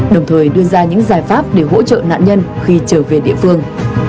đồng thời đưa ra những giải pháp để hỗ trợ nạn nhân khi trở về địa phương